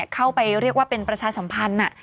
เข้าไปเรียกว่าเป็นประชาสัมพันธ์